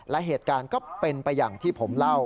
และเหตุการณ์ก็เป็นไปอย่างที่ผมเล่า